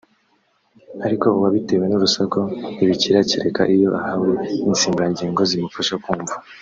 ariko uwabitewe n’urusaku ntibikira kereka iyo ahawe insimburangingo zimufasha kumva